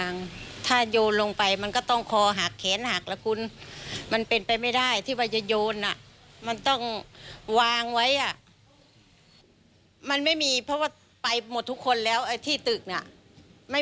น้องคนนี้เป็นคนแรกเลยนะครับ